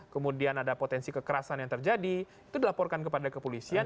kemudian ada potensi kekerasan yang terjadi itu dilaporkan kepada kepolisian